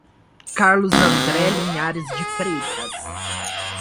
Carlos André Linhares de Freitas